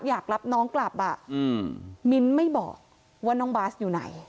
อยากรับน้องกลับมิ้นท์ไม่บอกว่าน้องบาสอยู่ไหน